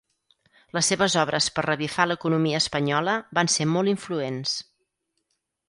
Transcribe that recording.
Les seves obres per revifar l"economia espanyola van ser molt influents.